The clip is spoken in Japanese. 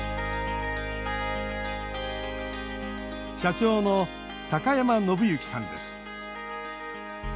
社長の高山信行さんです。